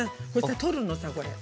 取るのさ、これ。